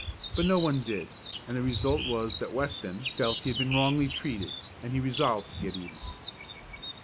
But no one did, and the result was that Weston felt he had been wrongly treated, and he resolved to get even.